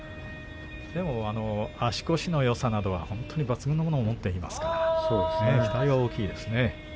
足腰のよさなどは抜群のものを持っていますから期待は大きいですね。